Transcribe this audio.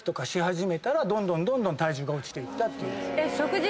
どんどんどんどん体重が落ちていったという。